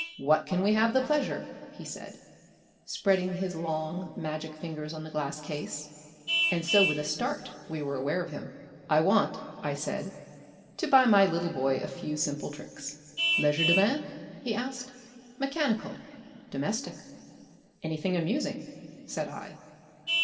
"What can we have the pleasure?" he said, spreading his long, magic fingers on the glass case; and so with a start we were aware of him. "I want," I said, "to buy my little boy a few simple tricks." "Legerdemain?" he asked. "Mechanical? Domestic?" "Anything amusing?" said I.